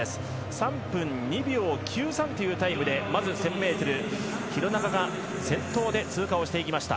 ３分２秒９３というタイムでまず１０００ｍ、廣中が先頭で通過していきました。